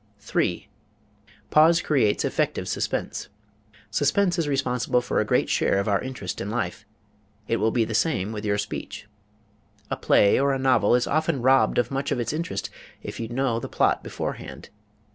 3. Pause Creates Effective Suspense Suspense is responsible for a great share of our interest in life; it will be the same with your speech. A play or a novel is often robbed of much of its interest if you know the plot beforehand.